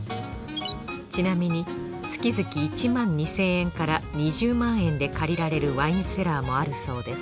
ちなみに月々１万２，０００円から２０万円で借りられるワインセラーもあるそうです。